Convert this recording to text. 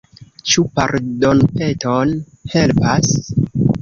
Ĉu pardonpeton helpas?